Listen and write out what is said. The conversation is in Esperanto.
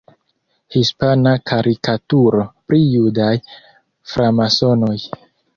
Hispana karikaturo pri "judaj framasonoj".